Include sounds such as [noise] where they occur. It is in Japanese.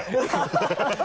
ハハハ [laughs]